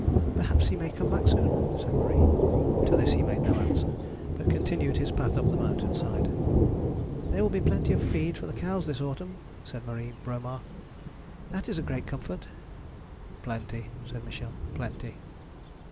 'Perhaps he may come back soon,' said Marie. To this he made no answer, but continued his path up the mountain side. 'There will be plenty of feed for the cows this autumn,' said Marie Bromar. 'That is a great comfort.' 'Plenty,' said Michel; 'plenty.'